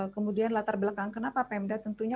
kemudian latar belakang kenapa pemda tentunya